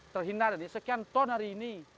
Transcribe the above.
terhindar dari sekian ton hari ini